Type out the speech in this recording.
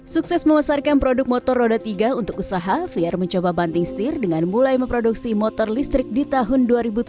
sukses memasarkan produk motor roda tiga untuk usaha fiar mencoba banting setir dengan mulai memproduksi motor listrik di tahun dua ribu tujuh belas